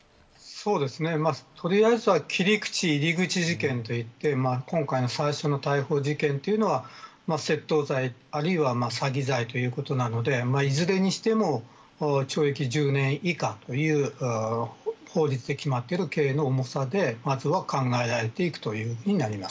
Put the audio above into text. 取りあえずは切り口、入り口事件といって今回の最初の逮捕事件が窃盗罪あるいは詐欺罪ということなのでいずれにしても懲役１０年以下という法律で決まっている刑の重さでまずは考えられていくことになります。